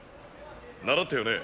習ったよね？